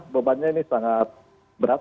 bebannya ini sangat berat